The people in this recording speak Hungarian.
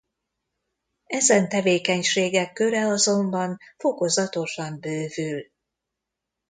Ezen tevékenységek köre azonban fokozatosan bővül.